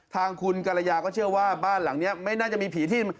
ทางคุณกรยาก็เชื่อว่าบ้านหลังนี้ไม่น่าจะมีผีที่